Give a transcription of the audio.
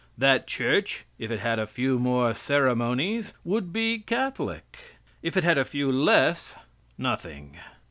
That Church, if it had a few more ceremonies, would be Catholic. If it had a few less, nothing.